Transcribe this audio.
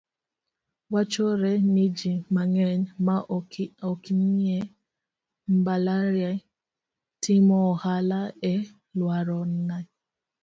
Wachore ni ji mang'eny ma oknie mbalariany, timo ohala e alworani.